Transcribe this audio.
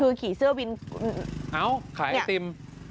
เอ้าขายไอติม